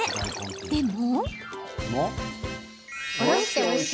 でも。